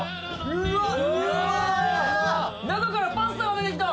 うわあっ・中からパスタが出てきた・